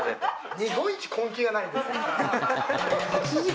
日本一、根気がないんです。